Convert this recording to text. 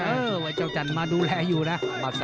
เออไอ้เจ้าจันมาดูแลอยู่นะ